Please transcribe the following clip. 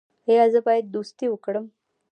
ایا زه باید دوستي وکړم؟